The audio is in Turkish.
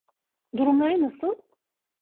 Durumları nasıl?